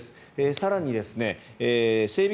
更に、整備